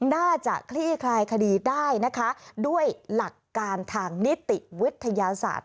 คลี่คลายคดีได้นะคะด้วยหลักการทางนิติวิทยาศาสตร์